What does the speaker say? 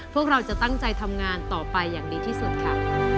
พวกเราจะตั้งใจทำงานต่อไปอย่างดีที่สุดค่ะ